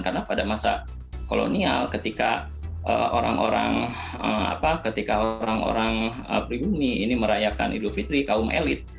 karena pada masa kolonial ketika orang orang pribumi ini merayakan idul fitri kaum elit